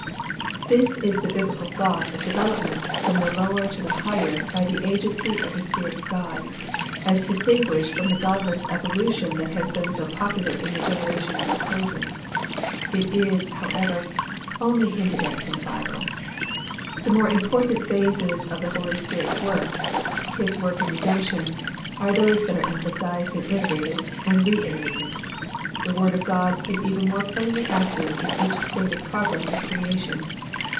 This is the Biblical thought of development from the lower to the higher by the agency of the Spirit of God as distinguished from the godless evolution that has been so popular in the generation now closing. It is, however, only hinted at in the Bible. The more important phases of the Holy Spirit's work, His work in redemption, are those that are emphasized and iterated and reiterated. The Word of God is even more plainly active in each state of progress of creation.